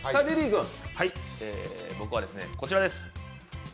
僕はですね、こちらです。